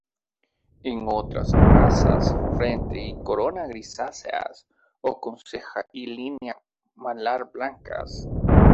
E otras razas frente y corona grisáceas o con ceja y línea malar blancas.